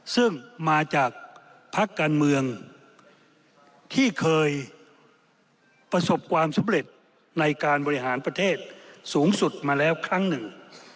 ซึ่งมาจากพักการเมืองที่เคยประสบความสำเร็จในการบริหารประเทศสูงสุดมาแล้วครั้งหนึ่ง